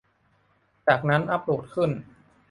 จากนั้นอัปโหลดขึ้น